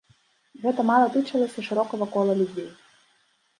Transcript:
Гэта мала тычылася шырокага кола людзей.